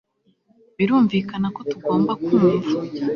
birumvikana ko tugomba kumva